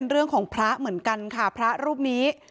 เรื่องของพระเหมือนกันค่ะพระรูปนี้